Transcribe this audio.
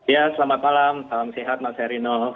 ya selamat malam selamat sehat mas erino